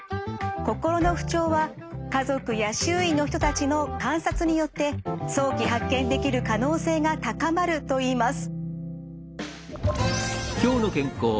心の不調は家族や周囲の人たちの観察によって早期発見できる可能性が高まるといいます。